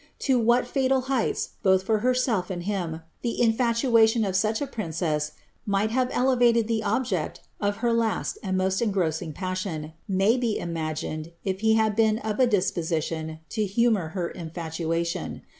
To what fatal heights, both for elf and him, the infatuation of such a princess might have elevated the object of her last and most engrossing passion, may be imagined if ke had been of a disposition to humour her infatuation.